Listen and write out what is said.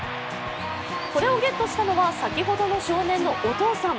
これをゲットしたのは先ほどの少年のお父さん。